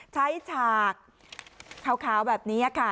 ฉากขาวแบบนี้ค่ะ